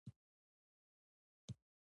هغه مالیات یې هم پر وخت نه رسول.